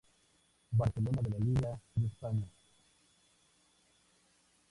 Barcelona de la LaLiga de España.